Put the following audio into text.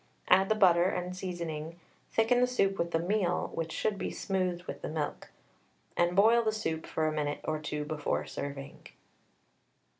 Add the butter and seasoning, thicken the soup with the meal (which should be smoothed with the milk), and boil the soup for a minute or two before serving.